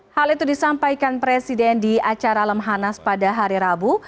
hal itu disampaikan presiden di acara lemhanas pada hari rabu